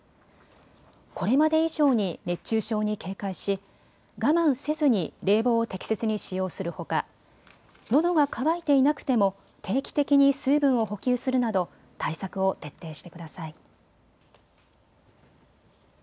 これまで以上に熱中症に警戒し我慢せずに冷房を適切に使用するほか、のどが渇いていなくても定期的に水分を補給するなど対策を徹底してください。